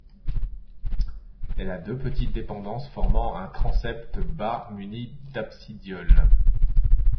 Elle a deux petites dépendances formant un transept bas munis d'absidioles.